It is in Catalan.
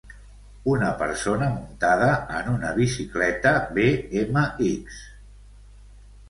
Una persona muntada en una bicicleta bmx